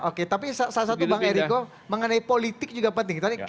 oke tapi salah satu bang eriko mengenai politik juga penting